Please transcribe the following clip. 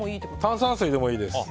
炭酸水でもいいです。